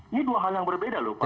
ini dua hal yang berbeda loh pak